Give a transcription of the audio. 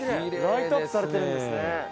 ライトアップされてるんですね。